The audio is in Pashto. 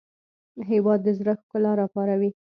هېواد د زړه ښکلا راپاروي.